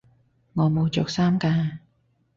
我冇着衫㗎